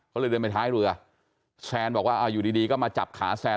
เขาเลยเดินไปท้ายเรือแซนบอกว่าอยู่ดีดีก็มาจับขาแซน